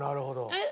えっ？